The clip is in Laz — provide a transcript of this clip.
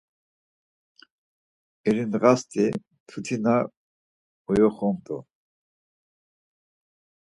İri ndğasti mtutina uyoxamt̆u.